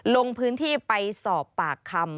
ลงพื้นที่ไปสอบปากคำ